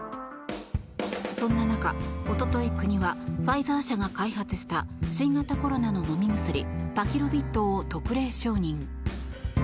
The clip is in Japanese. そんな中、おととい国はファイザー社が開発した新型コロナの飲み薬パキロビッドを特例承認。